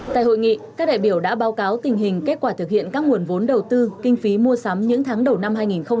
tại hội nghị các đại biểu đã báo cáo tình hình kết quả thực hiện các nguồn vốn đầu tư kinh phí mua sắm những tháng đầu năm hai nghìn hai mươi